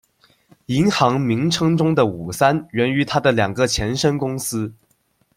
银行名称中的“五三”源于它的两个前身公司。